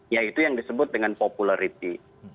yaitu yang disebut dengan popularity